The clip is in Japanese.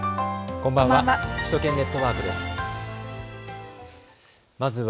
こんばんは。